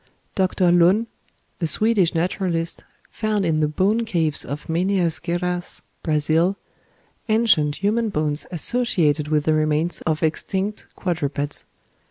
Dr. Lund, a Swedish naturalist, found in the bone caves of Minas Geraes, Brazil, ancient human bones associated with the remains of extinct quadrupeds.